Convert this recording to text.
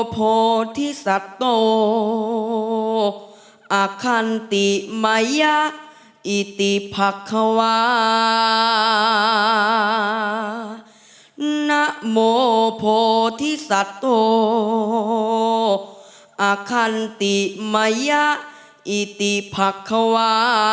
โภธิสัตโธอาคันติมายะอิติภักษ์ควะ